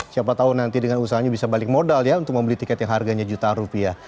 siapa tahu nanti dengan usahanya bisa balik modal ya untuk membeli tiket yang harganya juta rupiah